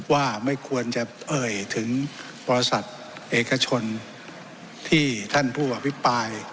ว่าไม่ควรจะเอ่ยถึงบริษัทเอกชนที่ท่านผู้อภิปราย